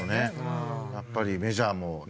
やっぱりメジャーもね。